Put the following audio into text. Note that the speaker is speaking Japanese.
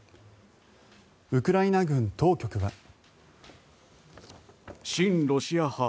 ウクライナ軍当局は。